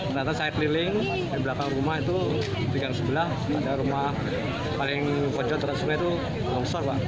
berarti saya keliling di belakang rumah itu di gang sebelah ada rumah paling bojot terlalu sulit itu longsor pak